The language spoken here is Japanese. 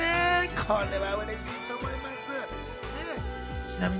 これは嬉しいと思います。